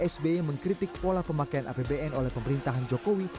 sby mengkritik pola pemakaian apbn oleh pemerintahan jokowi